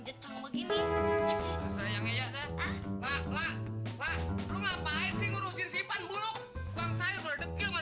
jejak begini saya enggak ngapain sih ngurusin sipan buruk bangsa yang ada